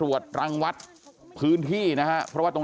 พ่อขออนุญาต